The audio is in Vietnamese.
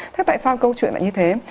thế tại sao câu chuyện lại như thế